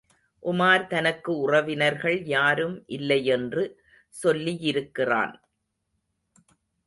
உமார் தனக்கு உறவினர்கள் யாரும் இல்லையென்று சொல்லியிருக்கிறான்.